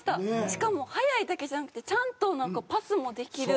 しかも速いだけじゃなくてちゃんとなんかパスもできる。